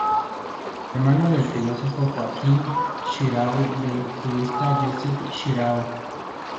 Hermano del filósofo Joaquín Xirau y del jurista Josep Xirau.